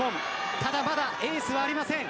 ただ、まだエースはありません。